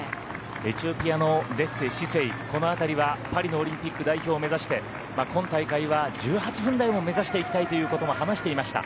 エチオピアのデッセ、シセイこの辺りはパリのオリンピック代表を目指して今大会は１８分台を目指していきたいということも話していました。